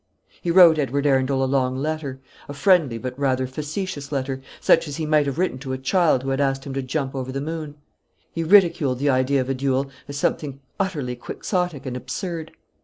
He wrote Edward Arundel a long letter; a friendly but rather facetious letter; such as he might have written to a child who had asked him to jump over the moon. He ridiculed the idea of a duel, as something utterly Quixotic and absurd.